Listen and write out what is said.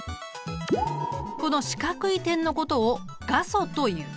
この四角い点のことを画素という。